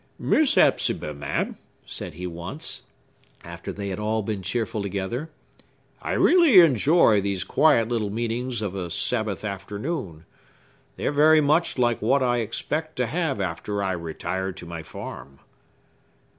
"Miss Hepzibah, ma'am," said he once, after they had all been cheerful together, "I really enjoy these quiet little meetings of a Sabbath afternoon. They are very much like what I expect to have after I retire to my farm!"